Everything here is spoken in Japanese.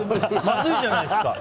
まずいじゃないですか。